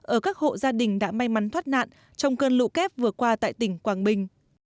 ở các hộ gia đình đã may mắn thoát nạn trong cơn lũ kép vừa qua tại tỉnh quảng bình